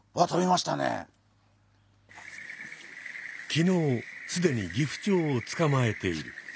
昨日すでにギフチョウをつかまえている。